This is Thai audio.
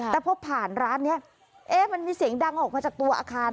แต่พอผ่านร้านนี้มันมีเสียงดังออกมาจากตัวอาคาร